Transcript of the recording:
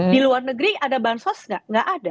di luar negeri ada bansos nggak ada